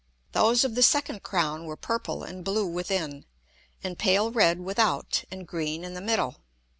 Those of the second Crown were purple and blue within, and pale red without, and green in the middle.